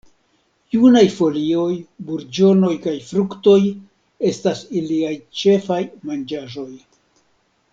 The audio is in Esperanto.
Junaj folioj, burĝonoj kaj fruktoj estas iliaj ĉefaj manĝaĵoj.